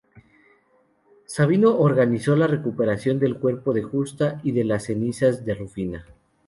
Sabino organizó la recuperación del cuerpo de Justa y de las cenizas de Rufina.